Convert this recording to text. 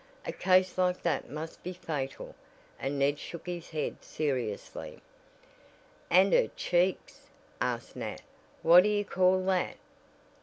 A case like that must be fatal," and Ned shook his head seriously. "And her cheeks?" asked Nat, "what do you call that?"